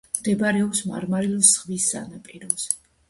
მდებარეობს მარმარილოს ზღვის სანაპიროზე.